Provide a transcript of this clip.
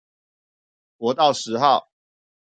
國道十號